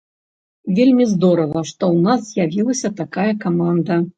Вельмі здорава, што ў нас з'явілася такая каманда.